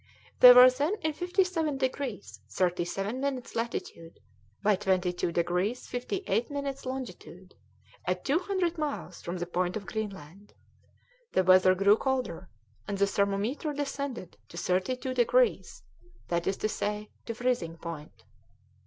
They were then in 57 degrees 37 minutes latitude by 22 degrees 58 minutes longitude, at two hundred miles from the point of Greenland. The weather grew colder, and the thermometer descended to thirty two degrees, that is to say to freezing point.